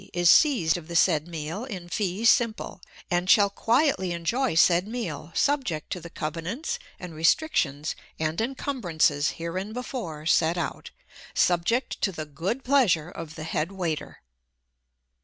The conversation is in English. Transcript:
is seized of the said Meal in fee simple, and shall quietly enjoy said Meal subject to the covenants and restrictions and encumbrances hereinbefore set out, subject to the good pleasure of the Head Waiter.